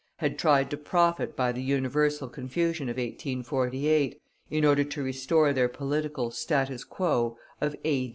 had tried to profit by the universal confusion of 1848, in order to restore their political status quo of A.